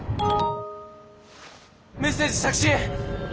メッセージ着信！